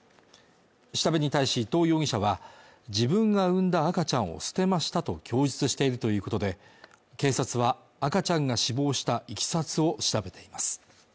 調べに対し伊藤容疑者は自分が産んだ赤ちゃんを捨てましたと供述しているということで警察は赤ちゃんが死亡したいきさつを調べています